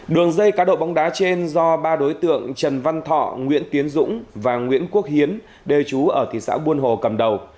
đường dây cá độ bóng đá trên do ba đối tượng trần văn thọ nguyễn tiến dũng và nguyễn quốc hiến đều trú ở thị xã buôn hồ cầm đầu